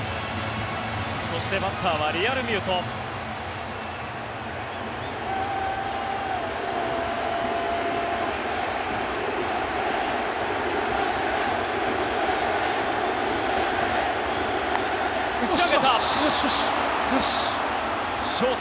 そして、バッターはリアルミュート。